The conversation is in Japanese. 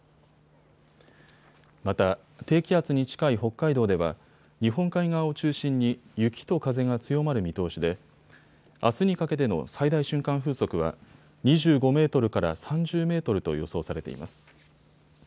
また、低気圧に近い北海道では日本海側を中心に雪と風が強まる見通しであすにかけての最大瞬間風速は２５メートルから３０メートルと予想されています。